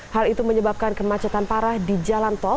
hal itu menyebabkan kemacetan parah di jalan tol